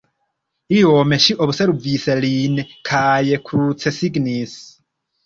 Iom ŝi observis lin kaj krucsignis.